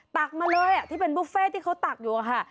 ตักมาเลยที่เป็นบุฟเฟ่ที่เขาตักอยู่ค่ะ